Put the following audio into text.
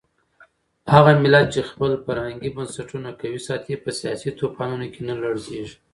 هغه ملت چې خپل فرهنګي بنسټونه قوي ساتي په سیاسي طوفانونو کې نه لړزېږي.